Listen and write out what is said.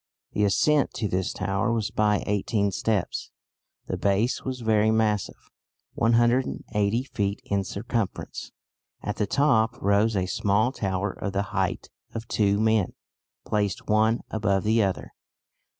"The ascent to this tower was by eighteen steps; the base was very massive, 180 feet in circumference. At the top rose a small tower of the height of two men placed one above the other.